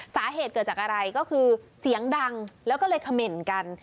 สาเหตุเกิดจากอะไรก็คือเสียงดังแล้วก็เลยเขม่นกัน